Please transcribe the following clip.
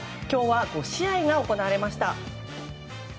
今日は５試合が行われました。